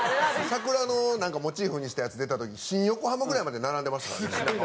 桜のなんかモチーフにしたやつ出た時新横浜ぐらいまで並んでましたからね。